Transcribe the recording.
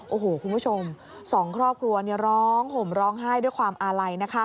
โอ้โหคุณผู้ชมสองครอบครัวร้องห่มร้องไห้ด้วยความอาลัย